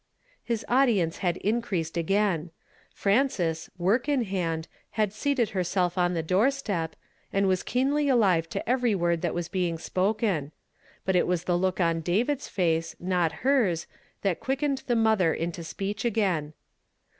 His audience had increased again. Frances, "WHO HATH BELIEVED OtJR ftEPOUT?" 91 work in hand, had seated herself on the doorstep, and was keenly alive to every word that was l)eing spoken ; but it was the look on David's face, not hers, that quickened the mother into speech again.